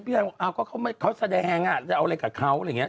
พี่ลิน่าอ้าวก็เขาไม่เขาแสดงอ่ะจะเอาอะไรกับเขาอะไรอย่างเงี้ย